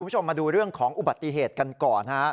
คุณผู้ชมมาดูเรื่องของอุบัติเหตุกันก่อนฮะ